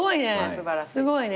すごいね。